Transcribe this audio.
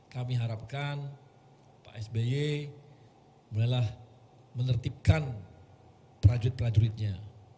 kami harapkan pak sby bolehlah menertibkan prajurit prajuritnya